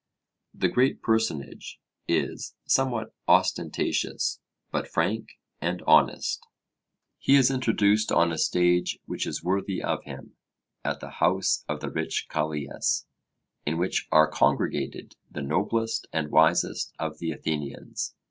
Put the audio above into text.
The 'great personage' is somewhat ostentatious, but frank and honest. He is introduced on a stage which is worthy of him at the house of the rich Callias, in which are congregated the noblest and wisest of the Athenians.